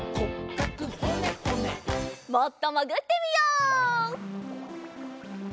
もっともぐってみよう。